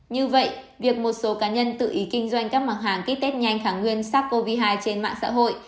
như vậy việc một số cá nhân tự ý kinh doanh các mặt hàng kích tết nhanh kháng nguyên sars cov hai trên mạng xã hội